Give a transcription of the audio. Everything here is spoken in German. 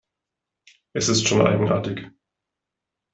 Es ist schon eigenartig.